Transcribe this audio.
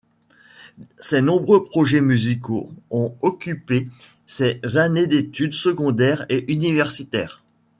Ces nombreux projets musicaux ont occupé ses années d'études secondaires et universitaires.